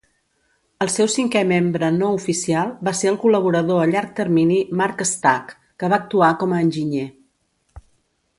El seu cinquè membre no oficial va ser el col·laborador a llarg termini Mark Stagg, que va actuar com a enginyer.